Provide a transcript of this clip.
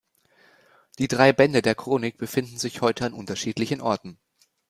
Die drei Bände der Chronik befinden sich heute an unterschiedlichen Orten.